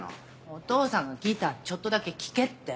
お父さんがギターちょっとだけ聴けって。